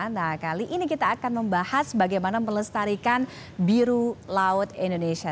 nah kali ini kita akan membahas bagaimana melestarikan biru laut indonesia